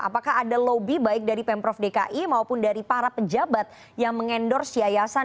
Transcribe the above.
apakah ada lobby baik dari pemprov dki maupun dari para pejabat yang mengendorse yayasan